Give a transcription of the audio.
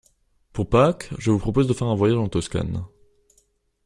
Pour Pâques, je vous propose de faire un voyage en Toscane.